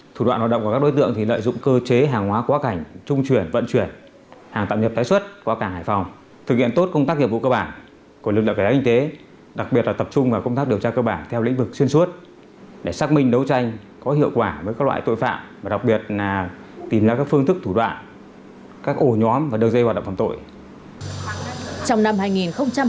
thủ đoạn hoạt động của các đối tượng thì lợi dụng cơ chế hàng hóa quá cảnh trung chuyển vận chuyển hàng tạm nhập tái xuất qua cảng hải phòng thực hiện tốt công tác hiệp vụ cơ bản của lực lượng cảnh sát kinh tế đặc biệt là tập trung vào công tác điều tra cơ bản theo lĩnh vực xuyên suốt để xác minh đấu tranh có hiệu quả với các loại tội phạm và đặc biệt là tìm ra các phương thức thủ đoạn các ổ nhóm và đưa dây vào đạo phẩm tội